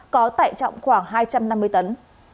có tải trọng khoảng hai trăm năm mươi tấn